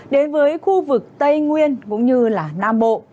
đến với khu vực tây nguyên cũng như nam bộ